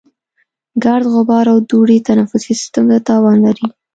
ګرد، غبار او دوړې تنفسي سیستم ته تاوان لري.